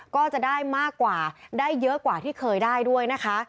ก็จะได้มากกว่าได้เยอะกว่าที่เคยได้ด้วยนะคะ